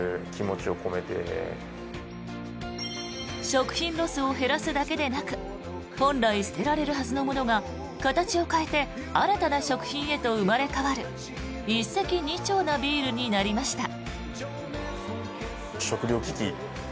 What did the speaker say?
食品ロスを減らすだけでなく本来捨てられるはずのものが形を変えて新たな食品へと生まれ変わる一石二鳥なビールになりました。